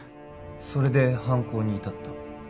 それで犯行にいたった？